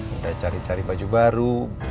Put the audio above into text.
udah cari cari baju baru